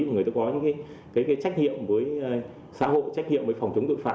mà người ta có những cái trách nhiệm với xã hội trách nhiệm với phòng chống tội phạm